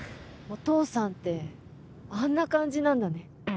お父さんってあんな感じなんだね。